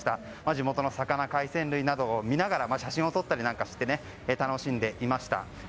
地元の鮮魚類を見て写真を撮ったりして楽しんでいました。